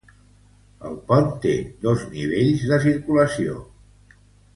El pont té dos nivells de circulació.